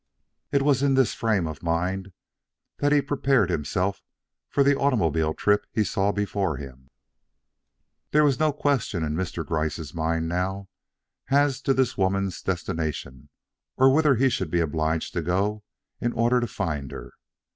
It was in this frame of mind that he prepared himself for the automobile trip he saw before him. There was no question in Mr. Gryce's mind now, as to this woman's destination or whither he should be obliged to go in order to find her.